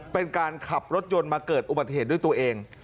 เป็นการขับรถยนต์มาเกิดอุบัติเหตุด้วยตัวเอง